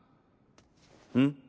うん？